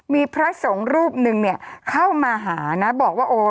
มีพระสงฆ์รูปหนึ่งเข้ามาหานะบอกว่า